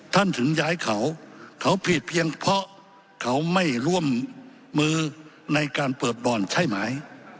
ถึงย้ายเขาเขาผิดเพียงเพราะเขาไม่ร่วมมือในการเปิดบ่อนใช่ไหม